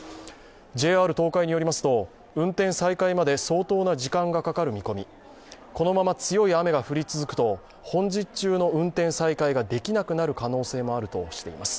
ＪＲ東海によりますと、運転再開まで相当な時間がかかる見込み、このまま強い雨が降り続くと本日中の運転再開ができなくなる可能性もあるとしています。